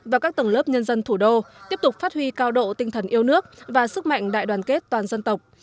và các tầng lớp nhân dân thủ đô tiếp tục phát huy cao độ tinh thần yêu nước và sức mạnh đại đoàn kết toàn dân tộc